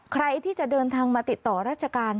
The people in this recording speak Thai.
ใครที่จะเดินทางมาติดต่อราชการ